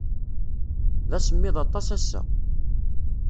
D asemmiḍ aṭas ass-a.